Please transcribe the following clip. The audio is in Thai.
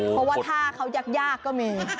เพราะว่าถ้าเขายากก็มี